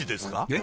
え？